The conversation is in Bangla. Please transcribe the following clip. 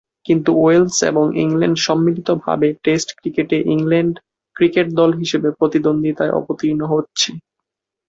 কিন্তু ওয়েলস এবং ইংল্যান্ড সম্মিলিতভাবে টেস্ট ক্রিকেটে ইংল্যান্ড ক্রিকেট দল হিসেবে প্রতিদ্বন্দ্বিতায় অবতীর্ণ হচ্ছে।